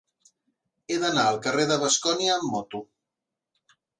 He d'anar al carrer de Bascònia amb moto.